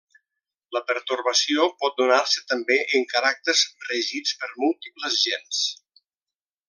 La pertorbació pot donar-se també en caràcters regits per múltiples gens.